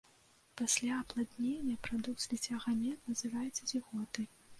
Пасля апладнення, прадукт зліцця гамет, называецца зіготай.